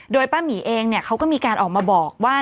โดยป้าหมีเองเขาก็มีการออกมาบอกว่า